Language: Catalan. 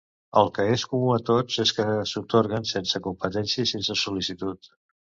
El que és comú a tots és que s'atorguen sense competència i sense sol·licitud.